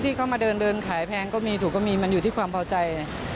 ที่เขามาเดินเดินขายแพงก็มีถูกก็มีมันอยู่ที่ความพอใจ